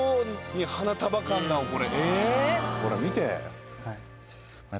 ほら見て。